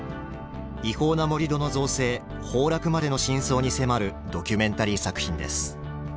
違法な盛り土の造成崩落までの真相に迫るドキュメンタリー作品です。